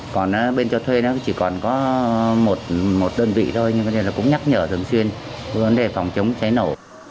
còn bên cho thuê chỉ còn có một đơn vị thôi nhưng cũng nhắc nhở thường xuyên về vấn đề phòng chống cháy nổ